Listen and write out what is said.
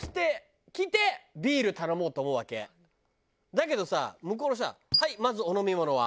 だけどさ向こうの人は「はいまずお飲み物は？」。